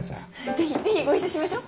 ぜひぜひご一緒しましょ！